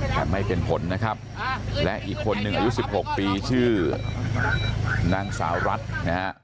แต่ไม่เป็นผลนะครับและอีกคนนึงอายุ๑๖ปีชื่อนางสาวรัฐนะครับ